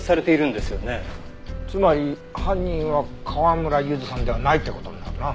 つまり犯人は川村ゆずさんではないって事になるな。